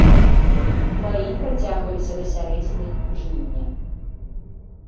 Баі працягваліся да сярэдзіны жніўня.